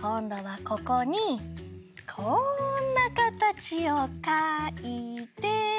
こんどはここにこんなかたちをかいて。